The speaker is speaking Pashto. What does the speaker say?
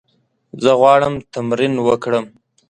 زه غواړم تمرین وکړم.